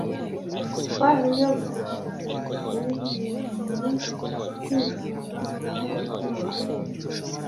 Umutware uyobora abasirikare yemeye iki cyifuzo n’umutima mwiza